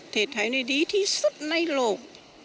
ไทยนี่ดีที่สุดในโลก